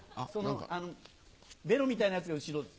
ベロみたいなやつが後ろです。